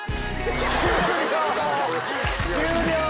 終了！